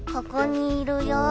ここにいるよ。